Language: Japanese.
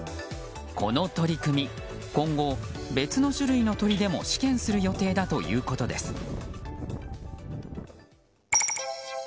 この取り組み今後、別の種類の鳥でも試験する予定だということです。